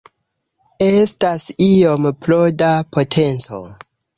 Estas iom tro da potenco.